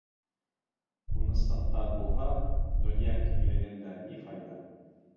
Ҡунысың тар булһа, донъя киңлегендә ни файҙа?